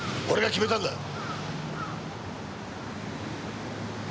俺が決めたんだ！